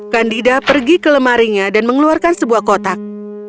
kandida pergi ke lemarinya dan mengeluarkan sebuah kotak